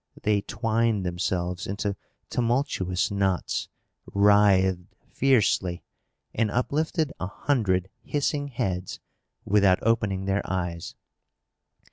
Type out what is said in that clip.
They twined themselves into tumultuous knots, writhed fiercely, and uplifted a hundred hissing heads, without opening their eyes.